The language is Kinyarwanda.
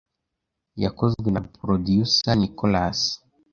yakozwe na Producer Nicholas